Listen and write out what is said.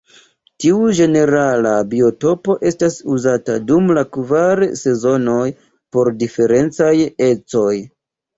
Tiu ĝenerala biotopo estas uzata dum la kvar sezonoj por diferencaj ecoj.